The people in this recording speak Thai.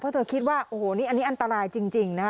เพราะเธอคิดว่าโอ้โหนี่อันนี้อันตรายจริงนะฮะ